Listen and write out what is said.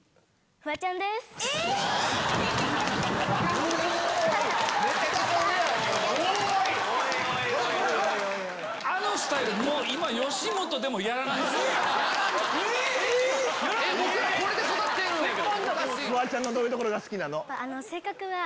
フワちゃんのどういうところが好きなの？